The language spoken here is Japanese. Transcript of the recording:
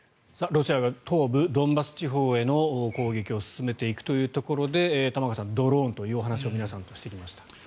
ロシア東部ドンバス地方への攻撃を進めていくというところで玉川さん、ドローンというお話を皆さんとしてきました。